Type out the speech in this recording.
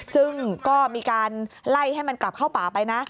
ซึ่งก็มีการไล่ให้มันกลับเข้าป่าไปนะ